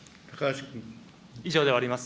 以上で終わります。